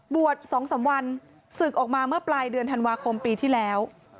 บวช๒๓วันศึกออกมาเมื่อปลายเดือนธันวาคมปีที่แล้ว